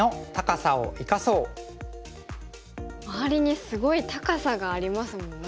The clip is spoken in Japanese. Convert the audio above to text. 周りにすごい高さがありますもんね。